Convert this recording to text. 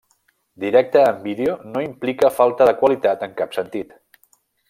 Directe en vídeo no implica falta de qualitat en cap sentit.